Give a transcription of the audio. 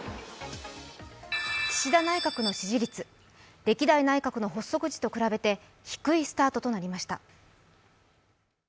岸田内閣の支持率、歴代内閣の発足時と比べて低いスタートとなりました。